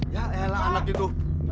ya elah anak itu